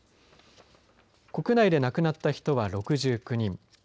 国内で亡くなった人は６９人。